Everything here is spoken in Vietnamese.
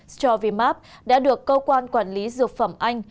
stovimax đã được cơ quan quản lý dược phẩm anh